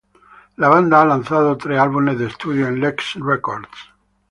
La banda ha lanzado tres álbumes de estudio en Lex Records.